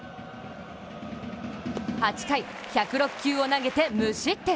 ８回１０６球を投げて無失点。